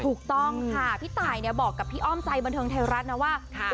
ถูกต้องค่ะพี่ตายเนี่ยบอกกับพี่อ้อมใจบันเทิงไทยรัฐนะว่า